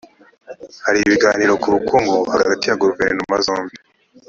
hari ibiganiro ku ubukungu hagati ya guverinoma zombi